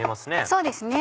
そうですね。